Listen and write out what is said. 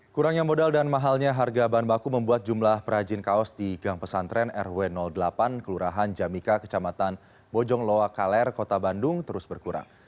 kurangnya modal dan mahalnya harga bahan baku membuat jumlah perajin kaos di gang pesantren rw delapan kelurahan jamika kecamatan bojong loakaler kota bandung terus berkurang